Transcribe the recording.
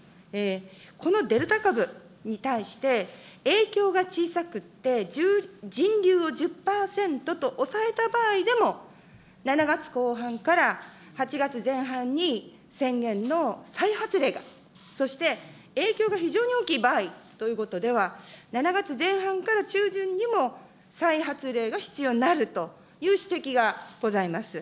このデルタ株に対して、影響が小さくって、人流を１０％と抑えた場合でも、７月後半から８月前半に宣言の再発令が、そして影響が非常に大きい場合ということでは、７月前半から中旬にも、再発令が必要になるという指摘がございます。